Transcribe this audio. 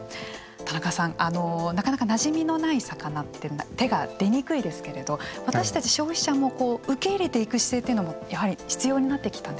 田中さんあのなかなかなじみのない魚って手が出にくいですけれど私たち消費者もこう受け入れていく姿勢っていうのもやはり必要になってきた。